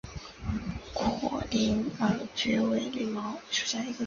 阔鳞耳蕨为鳞毛蕨科耳蕨属下的一个种。